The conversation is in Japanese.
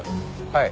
はい。